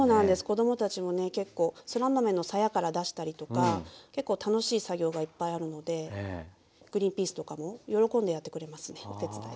子供たちもね結構そら豆のさやから出したりとか結構楽しい作業がいっぱいあるのでグリンピースとかも喜んでやってくれますねお手伝い。